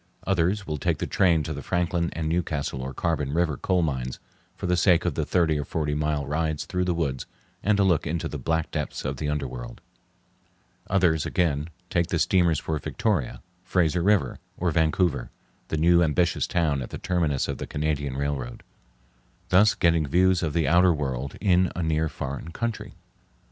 Others will take the train to the Franklin and Newcastle or Carbon River coal mines for the sake of the thirty or forty mile rides through the woods, and a look into the black depths of the underworld. Others again take the steamers for Victoria, Fraser River, or Vancouver, the new ambitious town at the terminus of the Canadian Railroad, thus getting views of the outer world in a near foreign country.